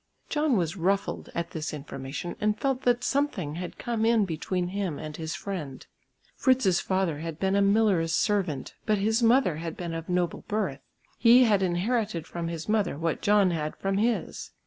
John was ruffled at this information and felt that something had come in between him and his friend. Fritz's father had been a miller's servant, but his mother had been of noble birth. He had inherited from his mother what John had from his.